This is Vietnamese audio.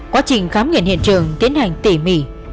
quá trình khám nghiệm hiện trường tiến hành tỉ mỉ